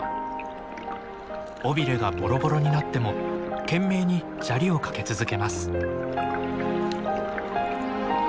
尾ビレがボロボロになっても懸命に砂利をかけ続けます。